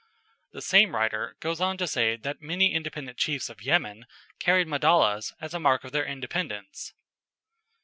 The same writer goes on to say that many independent chiefs of Yemen carried madallas as a mark of their independence.